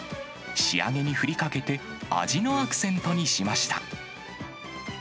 仕上げに振りかけて、味のアクセントにしました。